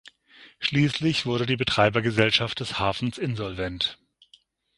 Schließlich wurde die Betreibergesellschaft des Hafens insolvent.